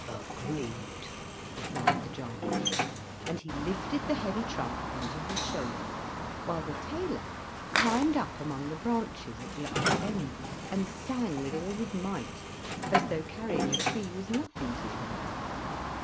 "Agreed," replied the giant, and he lifted the heavy trunk on to his shoulder, while the tailor climbed up among the branches at the other end, and sang with all his might, as though carrying a tree was nothing to him.